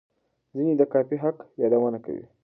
ځینې د کاپي حق یادونه کوي.